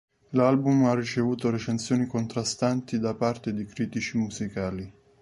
L'album ha ricevuto recensioni contrastanti da parte di critici musicali.